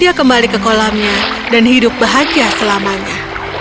dia kembali ke kolamnya dan hidup bahagia selamanya